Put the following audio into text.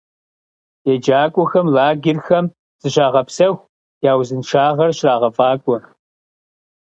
ЕджакӀуэхэм лагерхэм зыщагъэпсэху, я узыншагъэр щрагъэфӀакӀуэ.